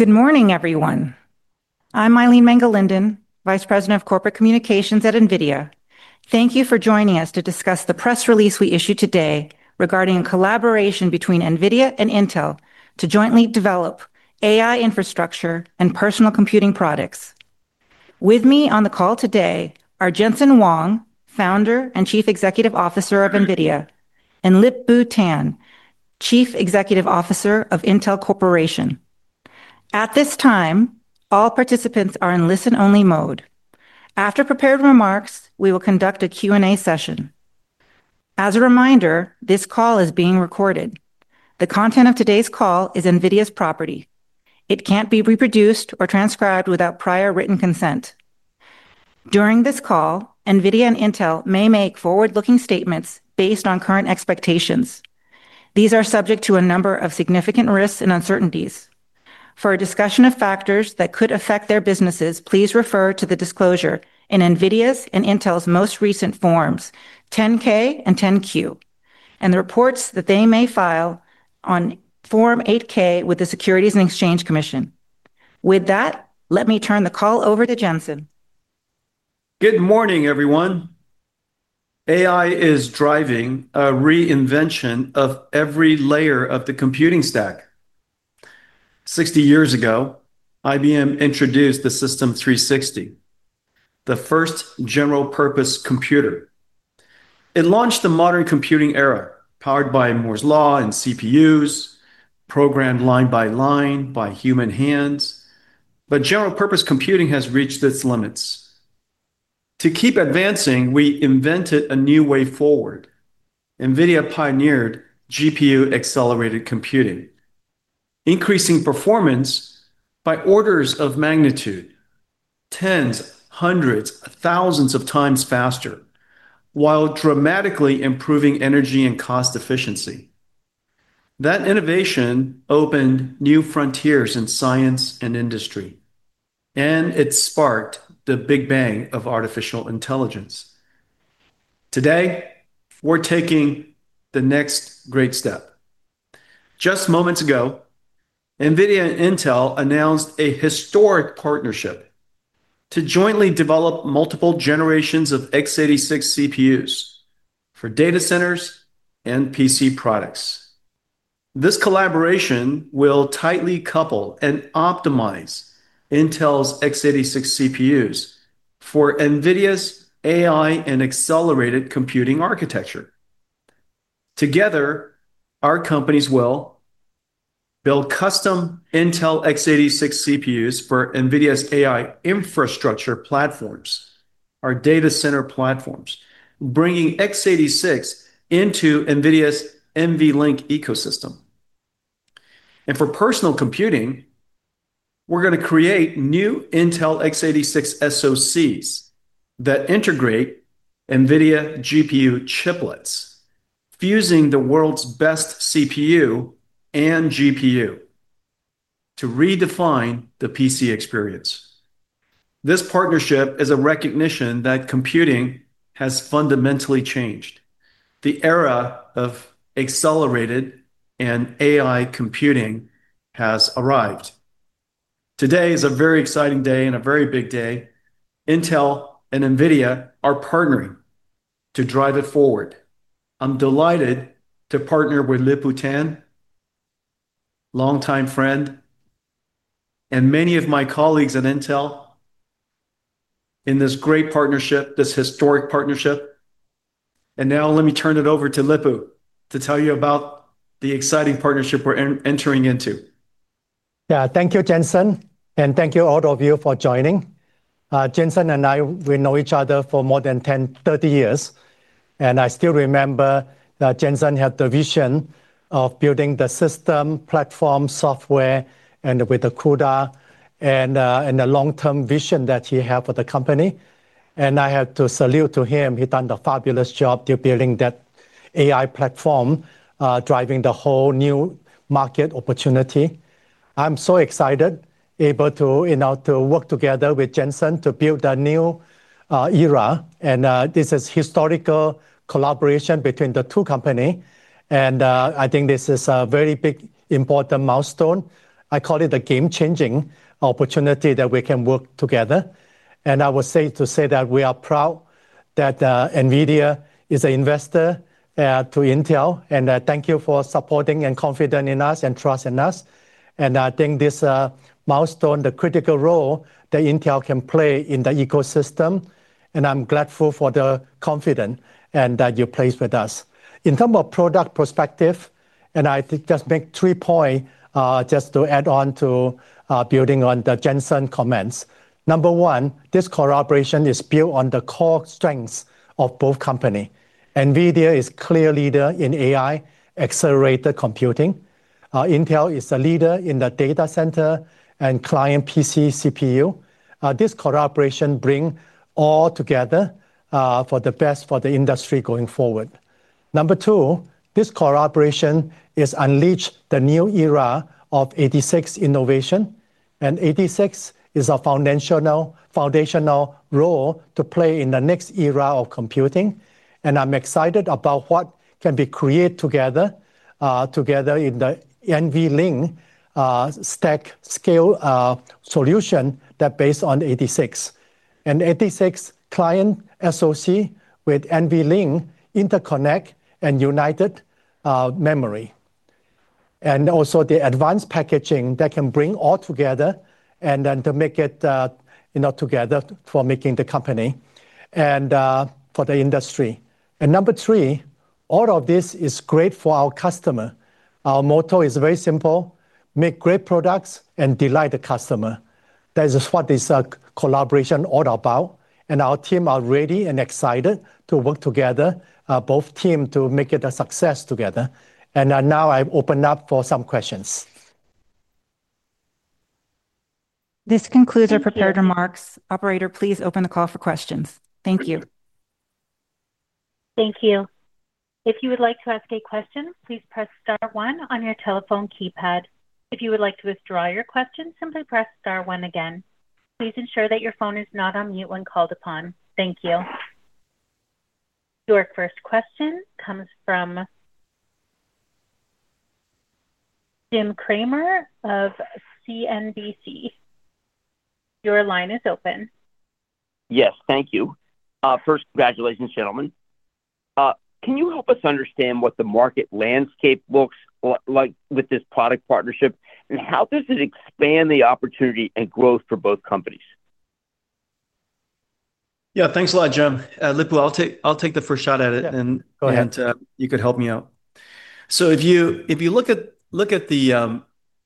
Good morning, everyone. I'm Mylene Mangalindan, Vice President of Corporate Communications at NVIDIA. Thank you for joining us to discuss the press release we issued today regarding a collaboration between NVIDIA and Intel to jointly develop AI infrastructure and personal computing products. With me on the call today are Jensen Huang, Founder and Chief Executive Officer of NVIDIA, and Lip-Bu Tan, Chief Executive Officer of Intel Corporation. At this time, all participants are in listen-only mode. After prepared remarks, we will conduct a Q&A session. As a reminder, this call is being recorded. The content of today's call is NVIDIA's property. It can't be reproduced or transcribed without prior written consent. During this call, NVIDIA and Intel may make forward-looking statements based on current expectations. These are subject to a number of significant risks and uncertainties. For a discussion of factors that could affect their businesses, please refer to the disclosure in NVIDIA's and Intel's most recent Forms 10-K and 10-Q, and the reports that they may file on Form 8-K with the Securities and Exchange Commission. With that, let me turn the call over to Jensen. Good morning, everyone. AI is driving a reinvention of every layer of the computing stack. Sixty years ago, IBM introduced the System/360, the first general-purpose computer. It launched the modern computing era, powered by Moore's Law and CPUs, programmed line by line by human hands. General-purpose computing has reached its limits. To keep advancing, we invented a new way forward. NVIDIA pioneered GPU-accelerated computing, increasing performance by orders of magnitude, tens, hundreds, thousands of times faster, while dramatically improving energy and cost efficiency. That innovation opened new frontiers in science and industry, and it sparked the Big Bang of artificial intelligence. Today, we're taking the next great step. Just moments ago, NVIDIA and Intel announced a historic partnership to jointly develop multiple generations of x86 CPUs for data centers and PC products. This collaboration will tightly couple and optimize Intel's x86 CPUs for NVIDIA's AI and accelerated computing architecture. Together, our companies will build custom Intel x86 CPUs for NVIDIA's AI infrastructure platforms, our data center platforms, bringing x86 into NVIDIA's NVLink ecosystem. For personal computing, we're going to create new Intel x86 SoCs that integrate NVIDIA GPU chiplets, fusing the world's best CPU and GPU to redefine the PC experience. This partnership is a recognition that computing has fundamentally changed. The era of accelerated and AI computing has arrived. Today is a very exciting day and a very big day. Intel and NVIDIA are partnering to drive it forward. I'm delighted to partner with Lip-Bu Tan, long-time friend, and many of my colleagues at Intel in this great partnership, this historic partnership. Now, let me turn it over to Lip-Bu to tell you about the exciting partnership we're entering into. Thank you, Jensen, and thank you all of you for joining. Jensen and I know each other for more than 30 years, and I still remember Jensen had the vision of building the system, platform, software, and with the CUDA, and the long-term vision that he had for the company. I have to salute to him. He's done a fabulous job building that AI platform, driving the whole new market opportunity. I'm so excited to be able to work together with Jensen to build a new era. This is a historical collaboration between the two companies, and I think this is a very big, important milestone. I call it a game-changing opportunity that we can work together. I would say that we are proud that NVIDIA is an investor in Intel, and thank you for supporting and confident in us and trusting us. I think this milestone is the critical role that Intel can play in the ecosystem, and I'm grateful for the confidence that you place with us. In terms of product perspective, I just make three points just to add on to building on the Jensen comments. Number one, this collaboration is built on the core strengths of both companies. NVIDIA is a clear leader in AI-accelerated computing. Intel is a leader in the data center and client PC CPU. This collaboration brings all together for the best for the industry going forward. Number two, this collaboration unleashes the new era of x86 innovation, and x86 is a foundational role to play in the next era of computing. I'm excited about what can be created together in the NVLink stack scale solution that's based on x86. x86 client SoC with NVLink interconnect and united memory, and also the advanced packaging that can bring it all together and then to make it together for making the company and for the industry. Number three, all of this is great for our customers. Our motto is very simple: make great products and delight the customer. That is what this collaboration is all about. Our teams are ready and excited to work together, both teams to make it a success together. Now I open up for some questions. This concludes our prepared remarks. Operator, please open the call for questions. Thank you. Thank you. If you would like to ask a question, please press star one on your telephone keypad. If you would like to withdraw your question, simply press star one again. Please ensure that your phone is not on mute when called upon. Thank you. Your first question comes from Jim Cramer of CNBC. Your line is open. Yes, thank you. First, congratulations, gentlemen. Can you help us understand what the market landscape looks like with this product partnership, and how does it expand the opportunity and growth for both companies? Yeah, thanks a lot, Jim. Lip-Bu, I'll take the first shot at it, and you could help me out. If you look at the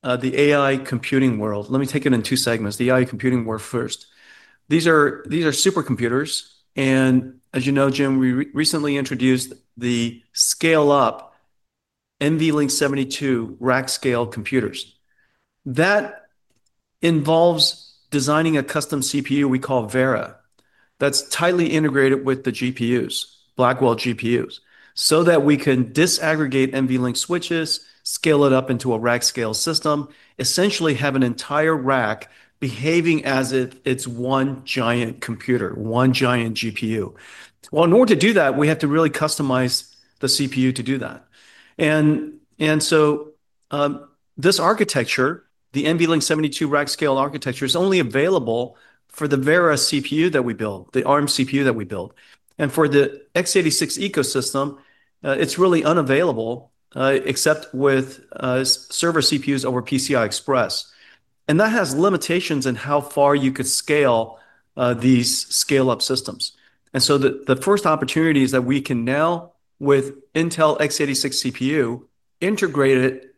AI computing world, let me take it in two segments, the AI computing world first. These are supercomputers. As you know, Jim, we recently introduced the scale-up NVLink 72 rack-scale computers. That involves designing a custom CPU we call Vera. It's tightly integrated with the GPUs, Blackwell GPUs, so that we can disaggregate NVLink switches, scale it up into a rack-scale system, and essentially have an entire rack behaving as if it's one giant computer, one giant GPU. In order to do that, we have to really customize the CPU to do that. This architecture, the NVLink 72 rack-scale architecture, is only available for the Vera CPU that we build, the ARM CPU that we build. For the x86 ecosystem, it's really unavailable except with server CPUs over PCI Express. That has limitations in how far you could scale these scale-up systems. The first opportunity is that we can now, with Intel x86 CPU integrated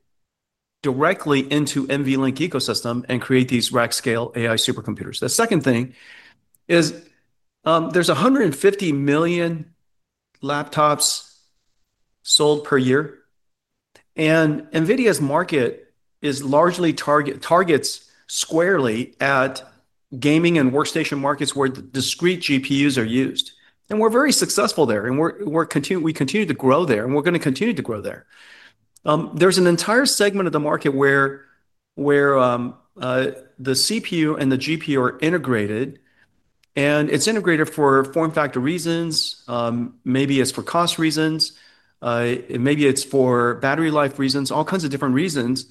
directly into NVLink ecosystem, create these rack-scale AI supercomputers. The second thing is there's 150 million laptops sold per year, and NVIDIA's market is largely targeted squarely at gaming and workstation markets where discrete GPUs are used. We're very successful there, and we continue to grow there, and we're going to continue to grow there. There's an entire segment of the market where the CPU and the GPU are integrated, and it's integrated for form factor reasons, maybe it's for cost reasons, maybe it's for battery life reasons, all kinds of different reasons.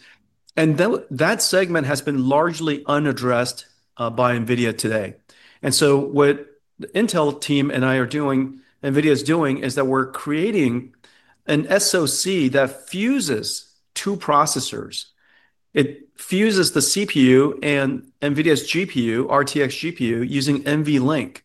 That segment has been largely unaddressed by NVIDIA today. What the Intel team and I are doing, NVIDIA is doing, is that we're creating an SoC that fuses two processors. It fuses the CPU and NVIDIA's GPU, RTX GPU, using NVLink.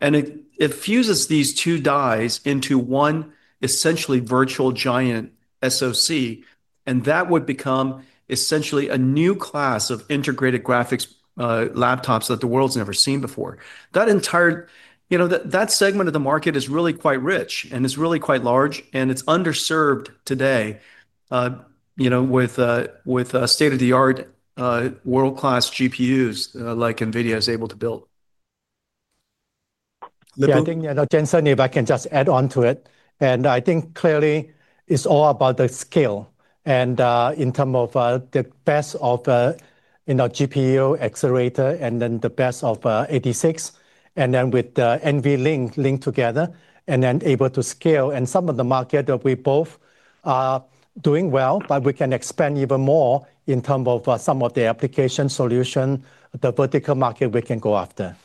It fuses these two dies into one essentially virtual giant SoC, and that would become essentially a new class of integrated graphics laptops that the world's never seen before. That segment of the market is really quite rich, and it's really quite large, and it's underserved today with state-of-the-art, world-class GPUs like NVIDIA is able to build. I think, Jensen, if I can just add on to it, it's all about the scale, in terms of the best of GPU accelerator and then the best of x86, with the NVLink linked together and able to scale. Some of the markets that we both are doing well, we can expand even more in terms of some of the application solutions, the vertical market we can go after.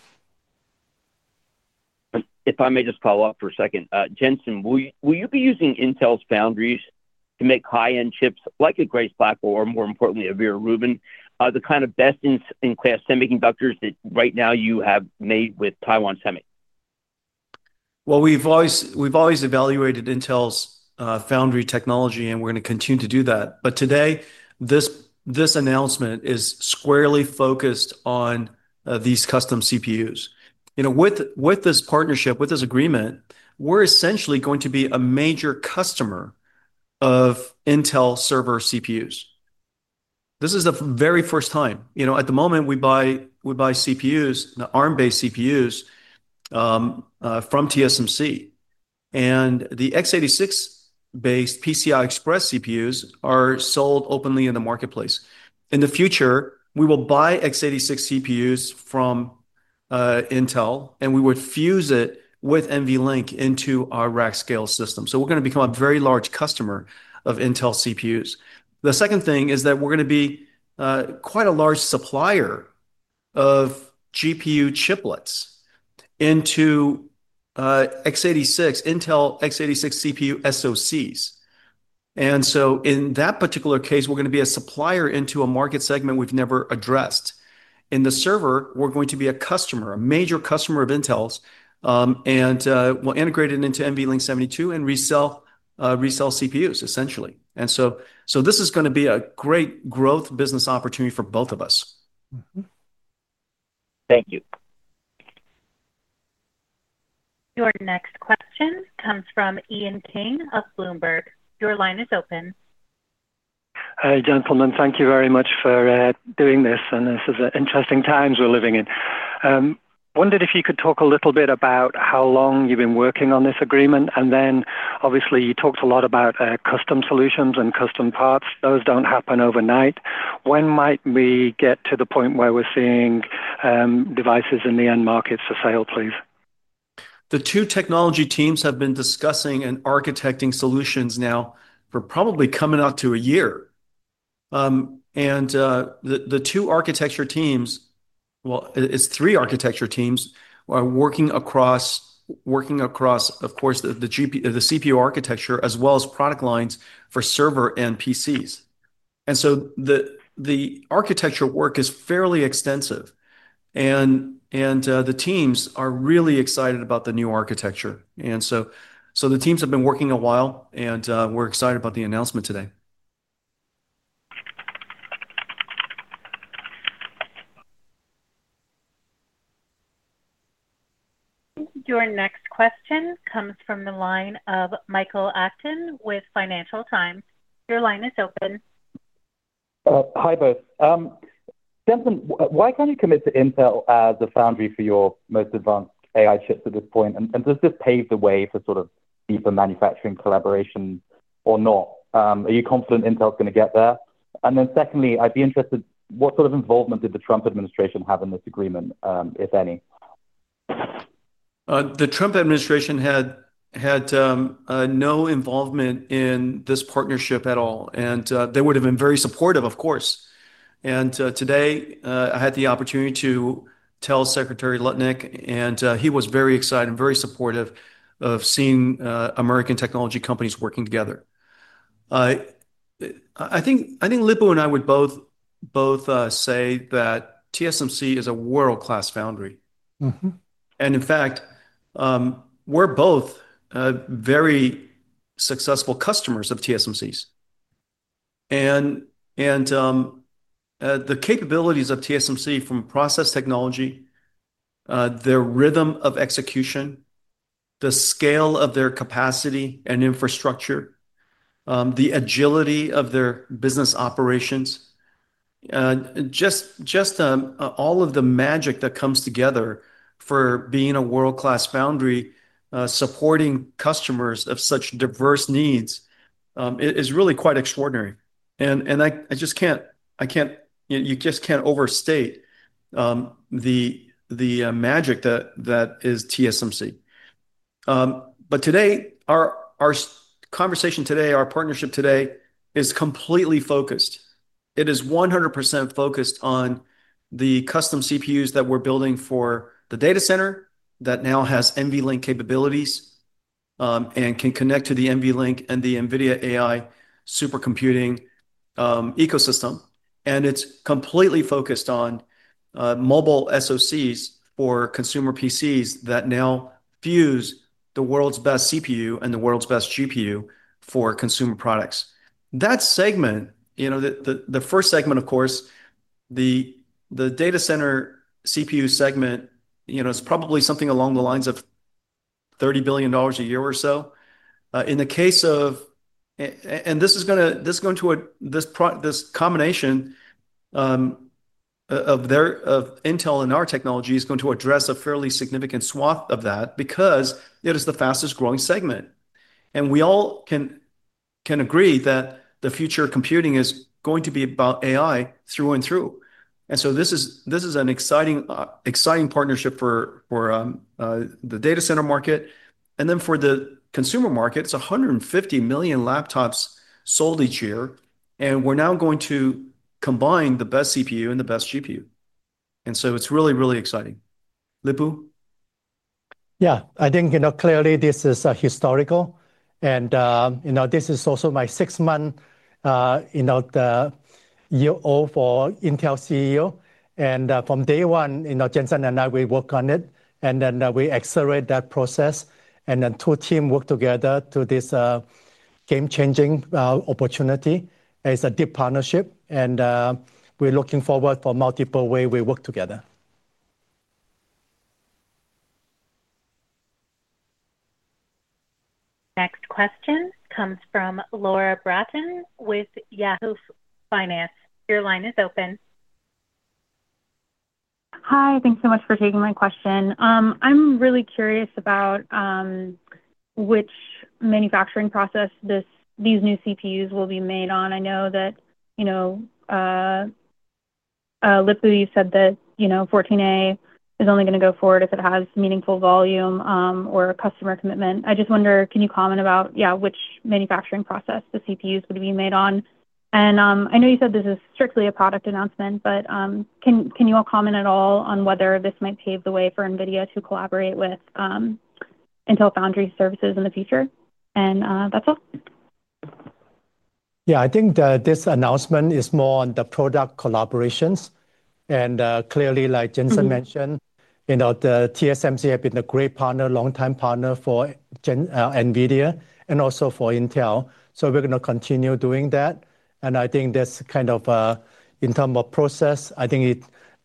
If I may just follow up for a second, Jensen, will you be using Intel's foundries to make high-end chips like a Grace Blackwell or, more importantly, a Vera Rubin, the kind of best-in-class semiconductors that right now you have made with Taiwan Semi? We have always evaluated Intel's foundry technology, and we're going to continue to do that. Today, this announcement is squarely focused on these custom CPUs. With this partnership, with this agreement, we're essentially going to be a major customer of Intel server CPUs. This is the very first time. At the moment, we buy CPUs, the ARM-based CPUs from TSMC. The x86-based PCI Express CPUs are sold openly in the marketplace. In the future, we will buy x86 CPUs from Intel, and we would fuse it with NVLink into our rack-scale system. We are going to become a very large customer of Intel CPUs. The second thing is that we're going to be quite a large supplier of GPU chiplets into x86, Intel x86 CPU SoCs. In that particular case, we're going to be a supplier into a market segment we've never addressed. In the server, we're going to be a customer, a major customer of Intel's, and we'll integrate it into NVLink 72 and resell CPUs, essentially. This is going to be a great growth business opportunity for both of us. Thank you. Your next question comes from Ian King of Bloomberg. Your line is open. Jensen, thank you very much for doing this. This is an interesting time we're living in. I wondered if you could talk a little bit about how long you've been working on this agreement. Obviously, you talked a lot about custom solutions and custom parts. Those don't happen overnight. When might we get to the point where we're seeing devices in the end market for sale, please? The two technology teams have been discussing and architecting solutions now for probably coming up to a year. The two architecture teams, well, it's three architecture teams, are working across, of course, the CPU architecture as well as product lines for server and PCs. The architecture work is fairly extensive, and the teams are really excited about the new architecture. The teams have been working a while, and we're excited about the announcement today. Your next question comes from the line of Michael Acton with Financial Times. Your line is open. Hi, both. Jensen, why can't you commit to Intel as a foundry for your most advanced AI chips at this point? Does this pave the way for sort of deeper manufacturing collaboration or not? Are you confident Intel is going to get there? Secondly, I'd be interested, what sort of involvement did the Trump administration have in this agreement, if any? The Trump administration had no involvement in this partnership at all, and they would have been very supportive, of course. Today, I had the opportunity to tell Secretary Litnick, and he was very excited and very supportive of seeing American technology companies working together. I think Lip-Bu and I would both say that TSMC is a world-class foundry. In fact, we're both very successful customers of TSMC. The capabilities of TSMC from process technology, their rhythm of execution, the scale of their capacity and infrastructure, the agility of their business operations, just all of the magic that comes together for being a world-class foundry, supporting customers of such diverse needs is really quite extraordinary. You just can't overstate the magic that is TSMC. Today, our conversation, our partnership is completely focused. It is 100% focused on the custom CPUs that we're building for the data center that now has NVLink capabilities and can connect to the NVLink and the NVIDIA AI supercomputing ecosystem. It's completely focused on mobile SoCs or consumer PCs that now fuse the world's best CPU and the world's best GPU for consumer products. That segment, the first segment, the data center CPU segment, is probably something along the lines of $30 billion a year or so. In the case of, and this combination of Intel and our technology is going to address a fairly significant swath of that because it is the fastest growing segment. We all can agree that the future of computing is going to be about AI through and through. This is an exciting partnership for the data center market. For the consumer market, it's 150 million laptops sold each year, and we're now going to combine the best CPU and the best GPU. It's really, really exciting. Lip-Bu? Yeah, I think clearly this is historical. This is also my sixth month as Intel CEO. From day one, Jensen and I, we work on it, and then we accelerate that process. The two teams work together to this game-changing opportunity. It's a deep partnership, and we're looking forward to multiple ways we work together. Next question comes from Laura Bratton with Yahoo Finance. Your line is open. Hi, thanks so much for taking my question. I'm really curious about which manufacturing process these new CPUs will be made on. I know that Lip-Bu, you said that Intel 14A is only going to go forward if it has meaningful volume or customer commitment. I just wonder, can you comment about which manufacturing process the CPUs will be made on? I know you said this is strictly a product announcement, but can you all comment at all on whether this might pave the way for NVIDIA to collaborate with Intel Foundry Services in the future? That's all. Yeah, I think this announcement is more on the product collaborations. Clearly, like Jensen mentioned, the TSMC has been a great partner, long-time partner for NVIDIA and also for Intel. We're going to continue doing that. I think this kind of, in terms of process,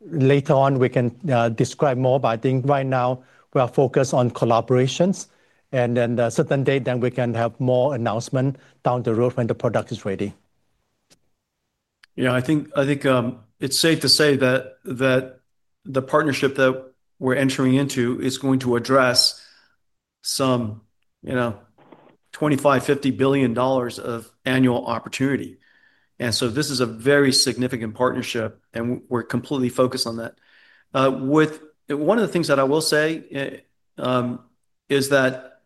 later on we can describe more, but right now we are focused on collaborations. At a certain date, we can have more announcements down the road when the product is ready. Yeah, I think it's safe to say that the partnership that we're entering into is going to address some $25 billion, $50 billion of annual opportunity. This is a very significant partnership, and we're completely focused on that. One of the things that I will say is that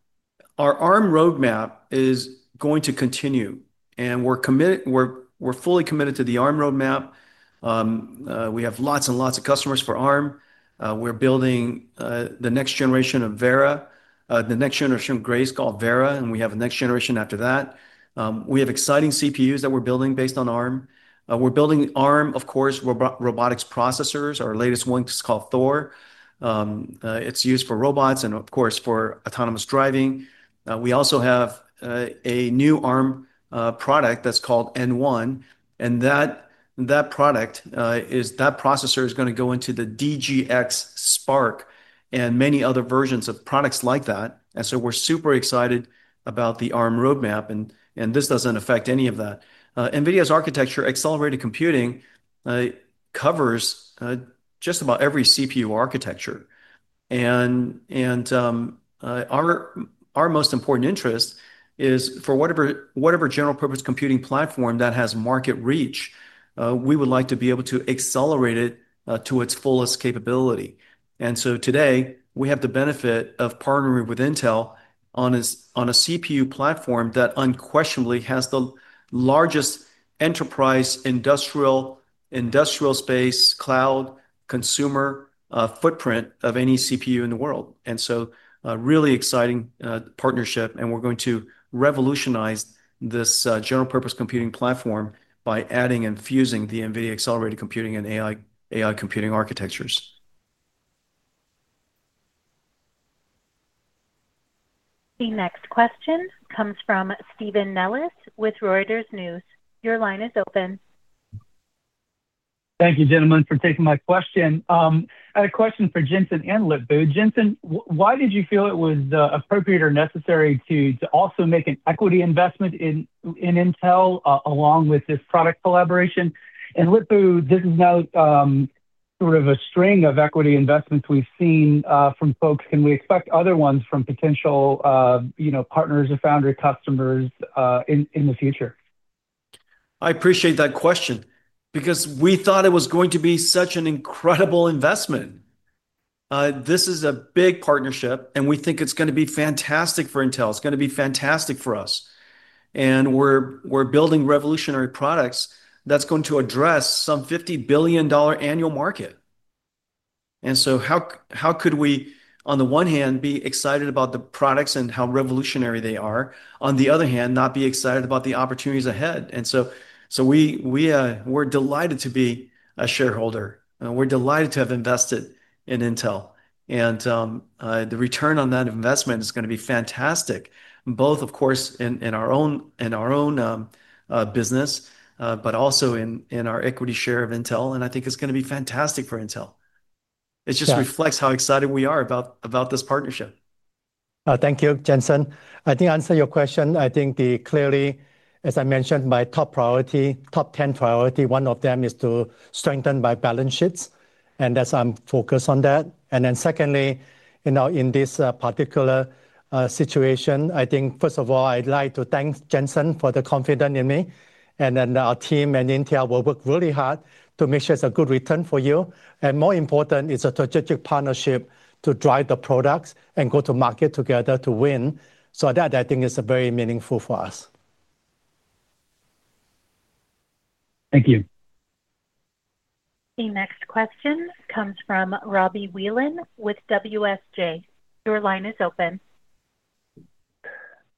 our ARM roadmap is going to continue, and we're fully committed to the ARM roadmap. We have lots and lots of customers for ARM. We're building the next generation of Grace, the next generation Grace called Vera, and we have a next generation after that. We have exciting CPUs that we're building based on ARM. We're building ARM, of course, robotics processors. Our latest one is called Thor. It's used for robots and, of course, for autonomous driving. We also have a new ARM product that's called N1. That product, that processor is going to go into the DGX Spark and many other versions of products like that. We're super excited about the ARM roadmap, and this doesn't affect any of that. NVIDIA's architecture, accelerated computing, covers just about every CPU architecture. Our most important interest is for whatever general-purpose computing platform that has market reach, we would like to be able to accelerate it to its fullest capability. Today, we have the benefit of partnering with Intel on a CPU platform that unquestionably has the largest enterprise industrial space, cloud, consumer footprint of any CPU in the world. This is a really exciting partnership, and we're going to revolutionize this general-purpose computing platform by adding and fusing the NVIDIA accelerated computing and AI computing architectures. The next question comes from Stephen Nellis with Reuters News. Your line is open. Thank you, gentlemen, for taking my question. I have a question for Jensen and Lip-Bu. Jensen, why did you feel it was appropriate or necessary to also make an equity investment in Intel along with this product collaboration? Lip-Bu did note sort of a string of equity investments we've seen from folks. Can we expect other ones from potential partners or foundry customers in the future? I appreciate that question because we thought it was going to be such an incredible investment. This is a big partnership, and we think it's going to be fantastic for Intel. It's going to be fantastic for us. We're building revolutionary products that are going to address some $50 billion annual market. How could we, on the one hand, be excited about the products and how revolutionary they are, on the other hand, not be excited about the opportunities ahead? We're delighted to be a shareholder. We're delighted to have invested in Intel. The return on that investment is going to be fantastic, both, of course, in our own business, but also in our equity share of Intel. I think it's going to be fantastic for Intel. It just reflects how excited we are about this partnership. Thank you, Jensen. To answer your question, clearly, as I mentioned, my top priority, top 10 priority, one of them is to strengthen my balance sheets, and that's I'm focused on that. Secondly, in this particular situation, first of all, I'd like to thank Jensen for the confidence in me. Our team and Intel will work really hard to make sure it's a good return for you. More important, it's a strategic partnership to drive the products and go to market together to win. That, I think, is very meaningful for us. Thank you. The next question comes from Robbie Whelan with WSJ. Your line is open.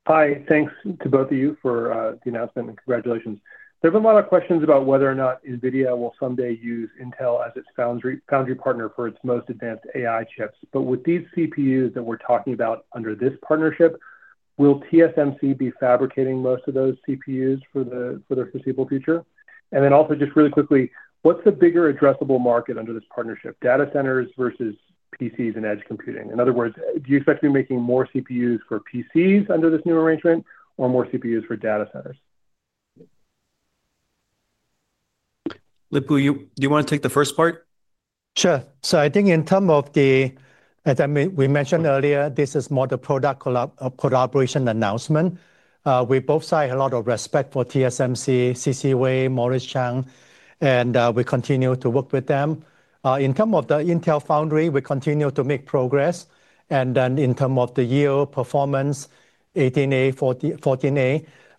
Hi, thanks to both of you for the announcement and congratulations. There have been a lot of questions about whether or not NVIDIA will someday use Intel as its foundry partner for its most advanced AI chips. With these CPUs that we're talking about under this partnership, will TSMC be fabricating most of those CPUs for the foreseeable future? Also, just really quickly, what's the bigger addressable market under this partnership, data centers versus PCs and edge computing? In other words, do you expect to be making more CPUs for PCs under this new arrangement or more CPUs for data centers? Lip-Bu, do you want to take the first part? Sure. I think in terms of the, as we mentioned earlier, this is more the product collaboration announcement. We both have a lot of respect for TSMC, C.C. Wei, Morris Chang, and we continue to work with them. In terms of the Intel Foundry, we continue to make progress. In terms of the yield performance, Intel 18A, Intel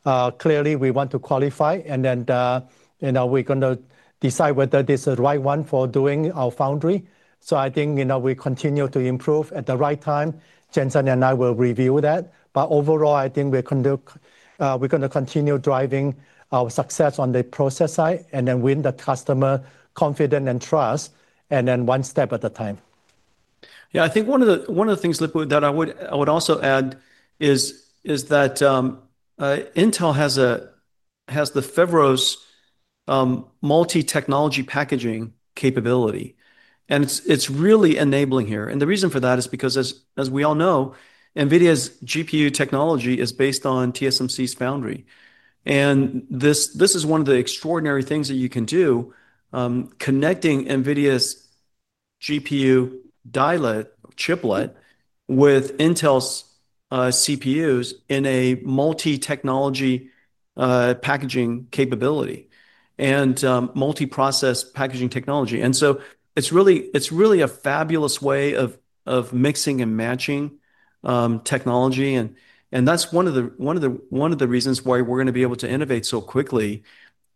14A, clearly we want to qualify, and then we're going to decide whether this is the right one for doing our foundry. I think we continue to improve at the right time. Jensen and I will review that. Overall, I think we're going to continue driving our success on the process side and then win the customer's confidence and trust, one step at a time. Yeah, I think one of the things, Lip-Bu, that I would also add is that Intel has the Foveros multi-technology packaging capability. It's really enabling here. The reason for that is because, as we all know, NVIDIA's GPU technology is based on TSMC's foundry. This is one of the extraordinary things that you can do, connecting NVIDIA's GPU chiplet with Intel's CPUs in a multi-technology packaging capability and multi-process packaging technology. It's really a fabulous way of mixing and matching technology. That's one of the reasons why we're going to be able to innovate so quickly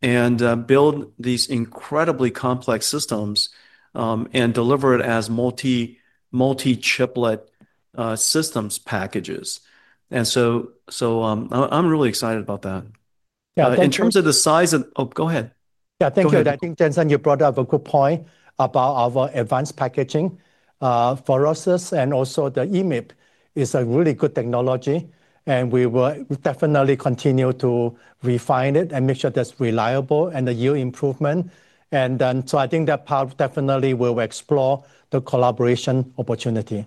and build these incredibly complex systems and deliver it as multi-chiplet systems packages. I'm really excited about that. Yeah, in terms of the size and, oh, go ahead. Yeah, thank you. I think, Jensen, you brought up a good point about our advanced packaging. Foveros and also the EMIB is a really good technology. We will definitely continue to refine it and make sure that's reliable and the yield improvement. I think that part definitely will explore the collaboration opportunity.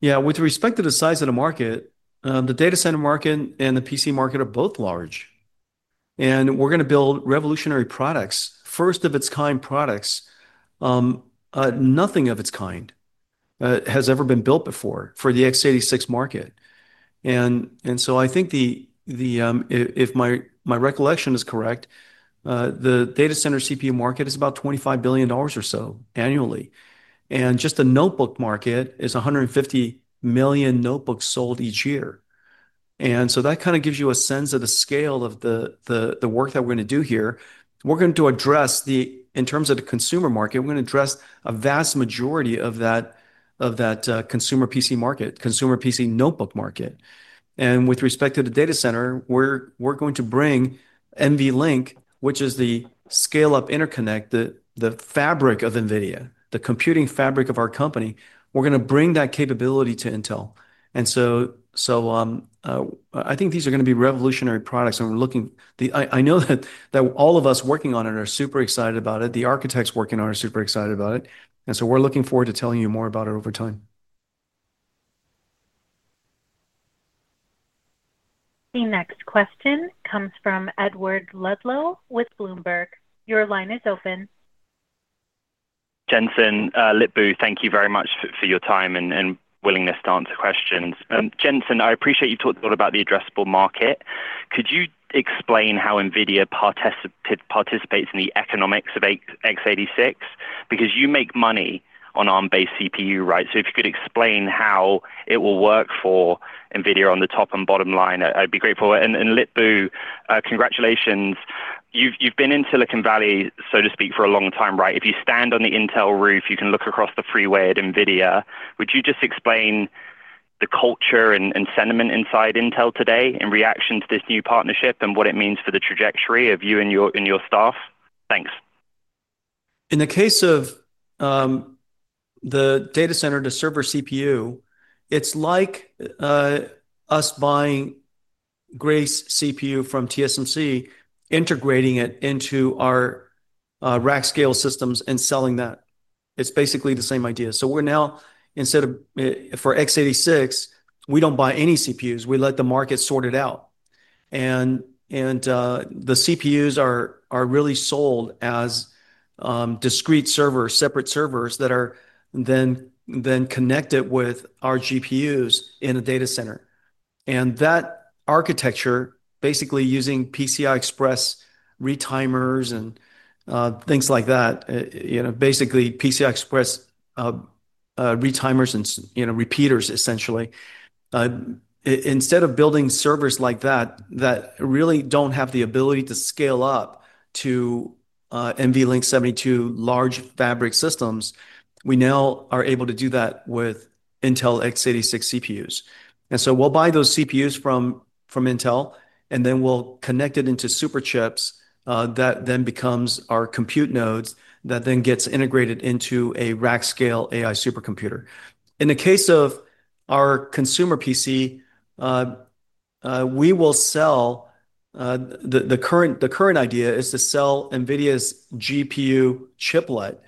Yeah, with respect to the size of the market, the data center market and the PC market are both large. We're going to build revolutionary products, first of its kind products, nothing of its kind has ever been built before for the x86 market. I think, if my recollection is correct, the data center CPU market is about $25 billion or so annually. Just the notebook market is 150 million notebooks sold each year. That kind of gives you a sense of the scale of the work that we're going to do here. We're going to address, in terms of the consumer market, a vast majority of that consumer PC market, consumer PC notebook market. With respect to the data center, we're going to bring NVLink, which is the scale-up interconnect, the fabric of NVIDIA, the computing fabric of our company. We're going to bring that capability to Intel. I think these are going to be revolutionary products. We're looking, I know that all of us working on it are super excited about it. The architects working on it are super excited about it. We're looking forward to telling you more about it over time. The next question comes from Edward Ludlow with Bloomberg. Your line is open. Jensen, Lip-Bu, thank you very much for your time and willingness to answer questions. Jensen, I appreciate you talked a lot about the addressable market. Could you explain how NVIDIA participates in the economics of x86? Because you make money on ARM-based CPU, right? If you could explain how it will work for NVIDIA on the top and bottom line, I'd be grateful. Lip-Bu, congratulations. You've been in Silicon Valley, so to speak, for a long time, right? If you stand on the Intel roof, you can look across the freeway at NVIDIA. Would you just explain the culture and sentiment inside Intel today in reaction to this new partnership and what it means for the trajectory of you and your staff? Thanks. In the case of the data center, the server CPU, it's like us buying Grace CPU from TSMC, integrating it into our rack-scale systems, and selling that. It's basically the same idea. We're now, instead of for x86, we don't buy any CPUs. We let the market sort it out. The CPUs are really sold as discrete servers, separate servers that are then connected with our GPUs in a data center. That architecture, basically using PCI Express retimers and things like that, basically PCI Express retimers and repeaters, essentially. Instead of building servers like that that really don't have the ability to scale up to NVLink 72 large fabric systems, we now are able to do that with Intel x86 CPUs. We'll buy those CPUs from Intel, and then we'll connect it into superchips that then becomes our compute nodes that then gets integrated into a rack-scale AI supercomputer. In the case of our consumer PC, the current idea is to sell NVIDIA's GPU chiplet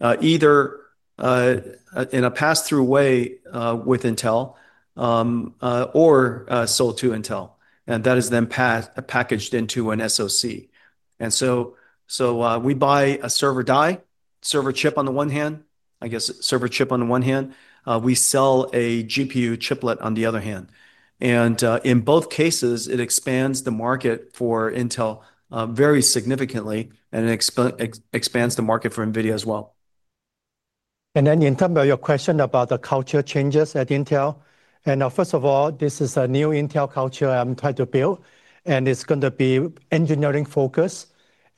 either in a pass-through way with Intel or sold to Intel. That is then packaged into an SoC. We buy a server die, server chip on the one hand, I guess server chip on the one hand. We sell a GPU chiplet on the other hand. In both cases, it expands the market for Intel very significantly, and it expands the market for NVIDIA as well. In terms of your question about the culture changes at Intel, first of all, this is a new Intel culture I'm trying to build, and it's going to be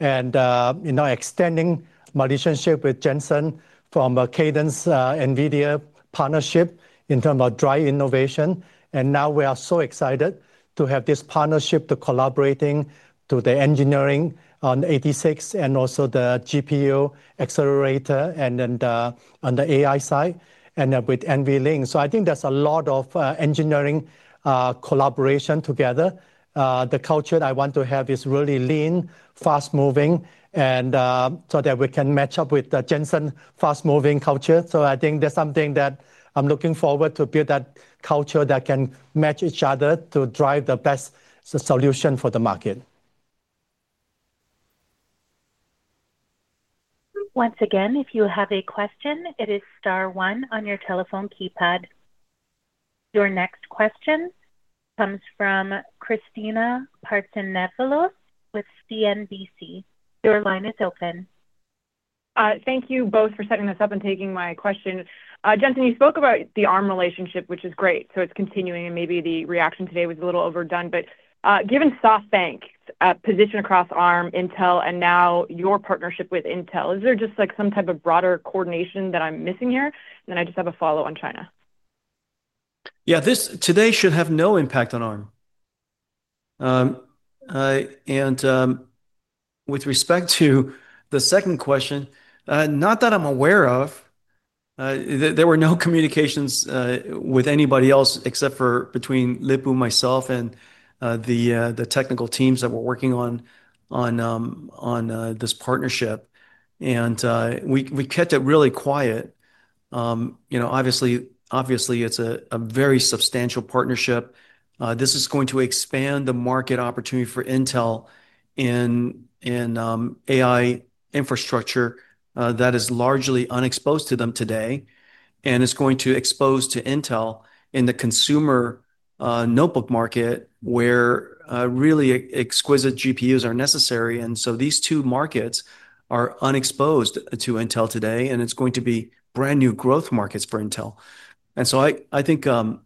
engineering-focused. In extending my relationship with Jensen from Cadence NVIDIA partnership in terms of driving innovation, we are so excited to have this partnership to collaborate on the engineering on x86 and also the GPU accelerator and on the AI side and with NVLink. I think there's a lot of engineering collaboration together. The culture I want to have is really lean, fast-moving, so that we can match up with the Jensen fast-moving culture. I think that's something that I'm looking forward to, to build that culture that can match each other to drive the best solution for the market. Once again, if you have a question, it is star one on your telephone keypad. Your next question comes from Kristina Partsinevelos with CNBC. Your line is open. Thank you both for setting this up and taking my question. Jensen, you spoke about the ARM relationship, which is great. It's continuing, and maybe the reaction today was a little overdone. Given SoftBank's position across ARM, Intel, and now your partnership with Intel, is there just like some type of broader coordination that I'm missing here? I just have a follow on China. Yeah, this today should have no impact on ARM. With respect to the second question, not that I'm aware of. There were no communications with anybody else except for between Lip-Bu, myself, and the technical teams that were working on this partnership. We kept it really quiet. Obviously, it's a very substantial partnership. This is going to expand the market opportunity for Intel in AI infrastructure that is largely unexposed to them today. It's going to expose Intel in the consumer notebook market where really exquisite GPUs are necessary. These two markets are unexposed to Intel today, and it's going to be brand new growth markets for Intel. I think, in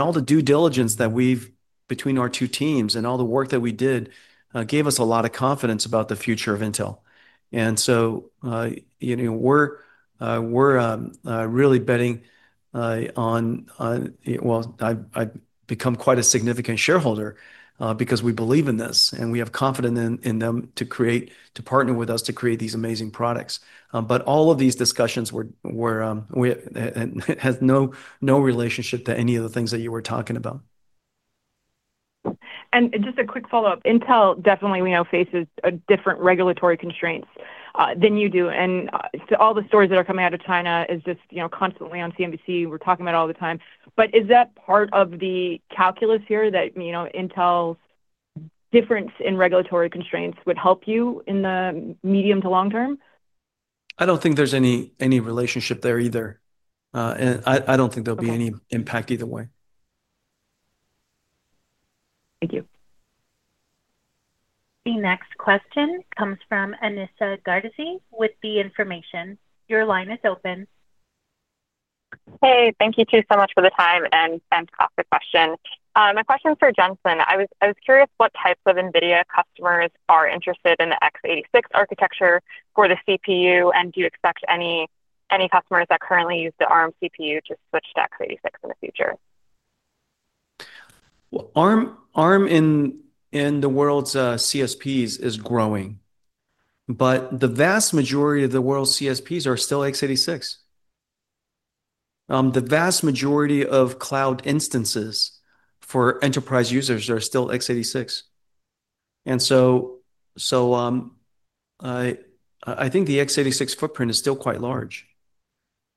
all the due diligence that we've, between our two teams and all the work that we did, gave us a lot of confidence about the future of Intel. We're really betting on, I've become quite a significant shareholder because we believe in this, and we have confidence in them to partner with us to create these amazing products. All of these discussions have no relationship to any of the things that you were talking about. Just a quick follow-up. Intel definitely, we know, faces different regulatory constraints than you do. All the stories that are coming out of China are just constantly on CNBC. We're talking about it all the time. Is that part of the calculus here that Intel's difference in regulatory constraints would help you in the medium to long term? I don't think there's any relationship there either. I don't think there'll be any impact either way. Thank you. The next question comes from Anissa Gardizy with The Information. Your line is open. Thank you two so much for the time and to ask the question. My question is for Jensen. I was curious what types of NVIDIA customers are interested in the x86 architecture for the CPU, and do you expect any customers that currently use the ARM CPU to switch to x86 in the future? ARM in the world's CSPs is growing, but the vast majority of the world's CSPs are still x86. The vast majority of cloud instances for enterprise users are still x86. I think the x86 footprint is still quite large.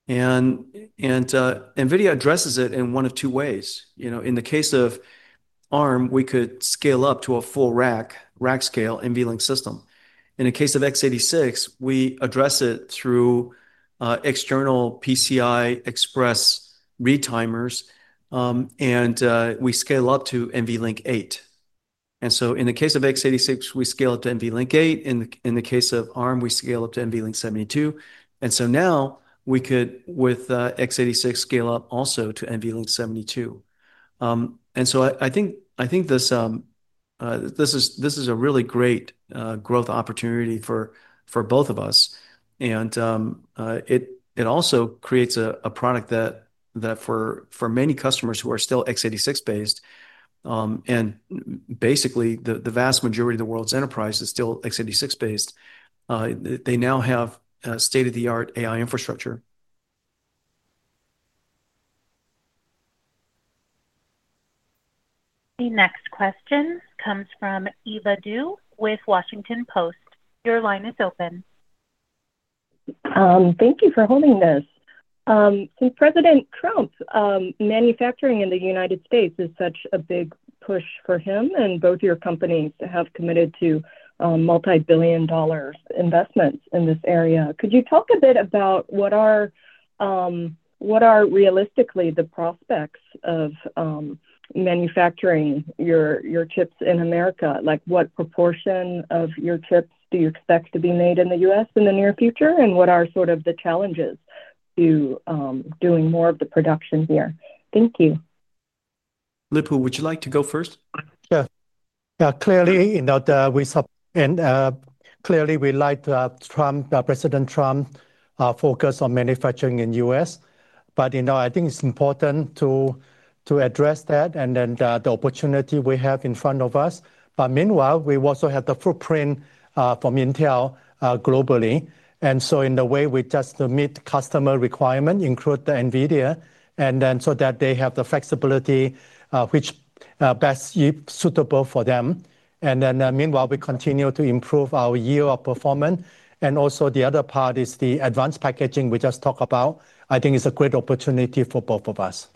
NVIDIA addresses it in one of two ways. In the case of ARM, we could scale up to a full rack, rack-scale NVLink system. In the case of x86, we address it through external PCI Express retimers, and we scale up to NVLink 8. In the case of x86, we scale up to NVLink 8. In the case of ARM, we scale up to NVLink 72. Now we could, with x86, scale up also to NVLink 72. I think this is a really great growth opportunity for both of us. It also creates a product that for many customers who are still x86-based, and basically the vast majority of the world's enterprise is still x86-based, they now have state-of-the-art AI infrastructure. The next question comes from Eva Dou with The Washington Post. Your line is open. Thank you for holding this. President Trump, manufacturing in the U.S. is such a big push for him, and both your companies have committed to multi-billion dollar investments in this area. Could you talk a bit about what are realistically the prospects of manufacturing your chips in America? Like what proportion of your chips do you expect to be made in the U.S. in the near future, and what are the challenges to doing more of the production here? Thank you. Lip-Bu, would you like to go first? Sure. Yeah, clearly, you know, we like President Trump's focus on manufacturing in the U.S. I think it's important to address that and then the opportunity we have in front of us. Meanwhile, we also have the footprint from Intel globally, so in a way, we just meet customer requirements, including NVIDIA, so that they have the flexibility which is best suitable for them. Meanwhile, we continue to improve our yield of performance. Also, the other part is the advanced packaging we just talked about. I think it's a great opportunity for both of us.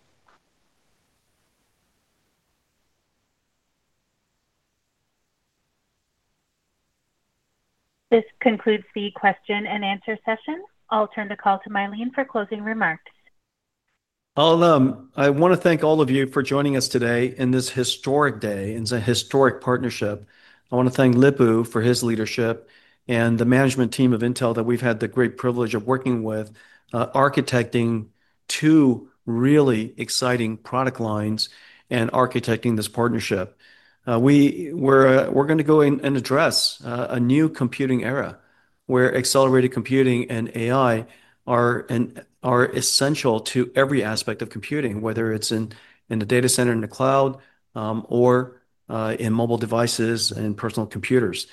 This concludes the question and answer session. I'll turn the call to Mylene for closing remarks. I want to thank all of you for joining us today on this historic day, in a historic partnership. I want to thank Lip-Bu for his leadership and the management team of Intel that we've had the great privilege of working with, architecting two really exciting product lines and architecting this partnership. We are going to go and address a new computing era where accelerated computing and AI are essential to every aspect of computing, whether it's in the data center, in the cloud, or in mobile devices and personal computers.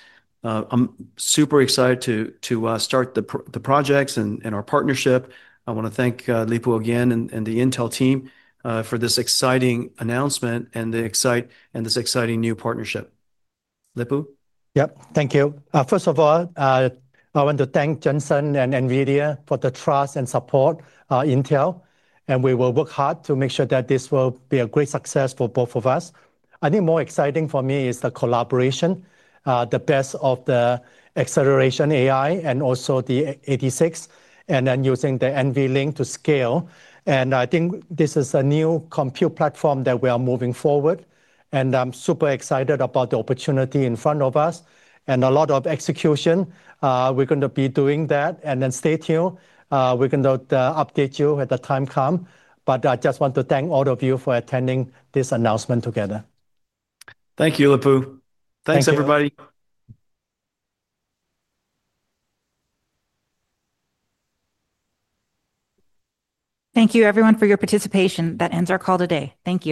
I'm super excited to start the projects and our partnership. I want to thank Lip-Bu again and the Intel team for this exciting announcement and this exciting new partnership. Lip-Bu? Yep, thank you. First of all, I want to thank Jensen and NVIDIA for the trust and support of Intel. We will work hard to make sure that this will be a great success for both of us. I think more exciting for me is the collaboration, the best of the acceleration AI and also the x86, then using the NVLink to scale. I think this is a new compute platform that we are moving forward. I'm super excited about the opportunity in front of us and a lot of execution. We're going to be doing that. Stay tuned. We're going to update you when the time comes. I just want to thank all of you for attending this announcement together. Thank you, Lip-Bu. Thanks, everybody. Thank you, everyone, for your participation. That ends our call today. Thank you.